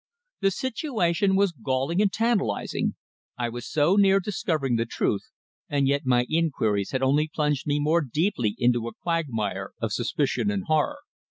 The situation was galling and tantalising. I was so near discovering the truth, and yet my inquiries had only plunged me more deeply into a quagmire of suspicion and horror.